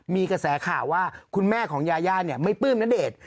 มีกระแสข่าวว่าคุณแม่ของยาย่าไม่ปลื้มณเดชน์